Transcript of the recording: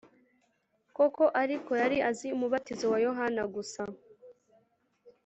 koko ariko yari azi umubatizo wa Yohana gusa